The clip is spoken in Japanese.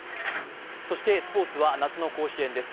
そしてスポーツは夏の甲子園です。